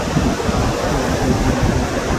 তোমার বুদ্ধি নেই পরাণ।